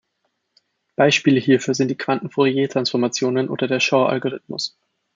Beispiele hierfür sind die Quanten-Fouriertransformation oder der Shor-Algorithmus.